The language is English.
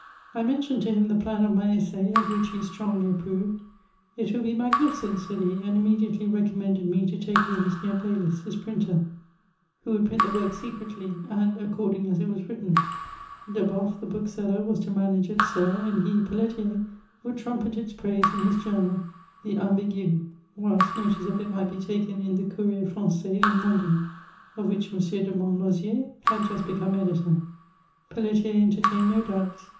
I mentioned to him the plan of my Essai^ of which he strongly approved :'^ It will be magnificent," said he, and immediately recommended me to take rooms near Bay lis, his printer, who 374 HEICOIBS 09 would print Ae work secieCly, and aceofding as it was written : Deboffe, the bookseller, was to manage its sale ; and he, F^ letter, would trumpet its praise in his journal, €bB AmAigUj whikt notice of it might be taken in the Comrrier Frangais in London, of whieh M. de Montkwier had just become editor. Pelletier entertuned no doubts.